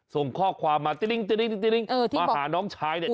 ส่งข้อความมาติ๊งมาหาน้องชายเนี่ย